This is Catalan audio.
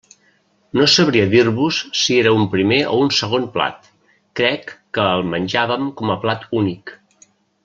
No sabria dir-vos si era un primer o un segon plat, crec que el menjàvem com a plat únic.